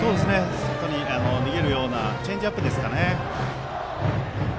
外に逃げるようなチェンジアップでしたかね。